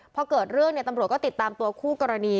พอเกิดเรื่องตำรวจก็ติดตามตัวคู่กรณี